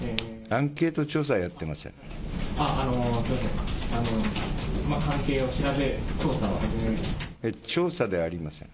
アンケート調査はやってません。